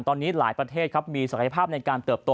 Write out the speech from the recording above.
ตอนนี้หลายประเทศครับมีศักยภาพในการเติบโต